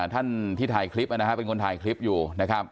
ท่านที่ถ่ายคลิปเป็นคนถ่ายคลิปอยู่นะครับ